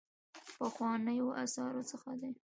پخوانیو آثارو څخه دی.